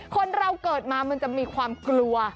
คนเราเกิดมามันจะมีความกลัว